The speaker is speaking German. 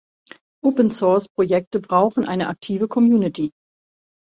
Open Source Projekte brauchen eine aktive Community.